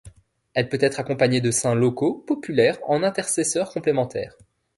Elle peut être accompagnée de saints locaux, populaires en intercesseurs complémentaires.